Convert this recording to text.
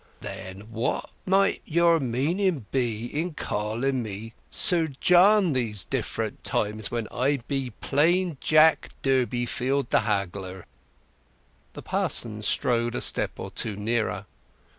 "Then what might your meaning be in calling me 'Sir John' these different times, when I be plain Jack Durbeyfield, the haggler?" The parson rode a step or two nearer.